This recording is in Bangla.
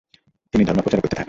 তিনি ধর্ম প্রচার করতে থাকেন।